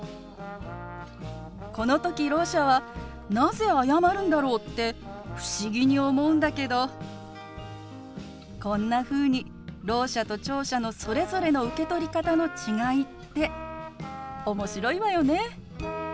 この時ろう者は「なぜ謝るんだろう」って不思議に思うんだけどこんなふうにろう者と聴者のそれぞれの受け取り方の違いって面白いわよね。